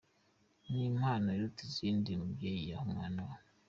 Ni impano iruta izindi umubyeyi yaha umwana we.